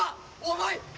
重い！